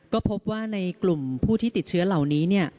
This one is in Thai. ก็พบว่าในกลุ่มผู้ที่ติดเชื้อเหล่านี้